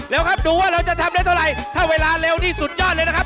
แล้วครับดูว่าเราจะทำได้เท่าไหร่ถ้าเวลาเร็วนี่สุดยอดเลยนะครับ